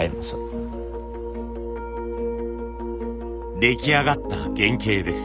出来上がった原型です。